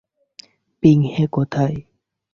Ping হে কোথায়?